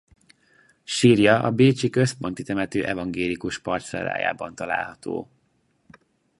Sírja a bécsi központi temető evangélikus parcellájában található.